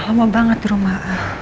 lama banget di rumah